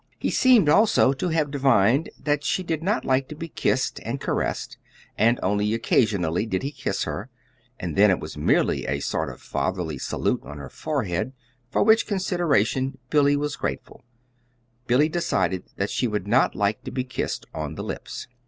He seemed, also, to have divined that she did not like to be kissed and caressed; and only occasionally did he kiss her, and then it was merely a sort of fatherly salute on her forehead for which consideration Billy was grateful: Billy decided that she would not like to be kissed on the lips.